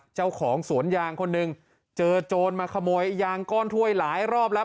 เจ้าของสวนยางคนหนึ่งเจอโจรมาขโมยยางก้อนถ้วยหลายรอบแล้ว